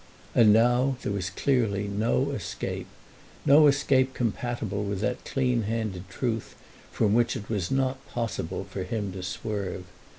And now there was clearly no escape, no escape compatible with that clean handed truth from which it was not possible for him to swerve.